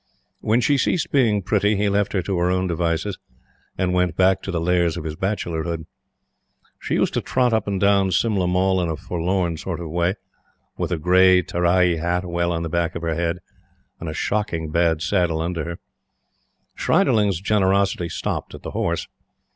When she ceased being pretty, he left her to her own devices, and went back to the lairs of his bachelordom. She used to trot up and down Simla Mall in a forlorn sort of way, with a gray Terai hat well on the back of her head, and a shocking bad saddle under her. Schreiderling's generosity stopped at the horse.